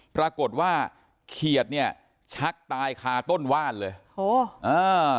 ปรากฏว่าเขียดเนี่ยชักตายคาต้นว่านเลยโหอ่า